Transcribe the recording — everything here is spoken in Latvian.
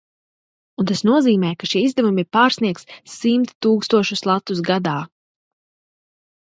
Un tas nozīmē, ka šie izdevumi pārsniegs simt tūkstošus latus gadā.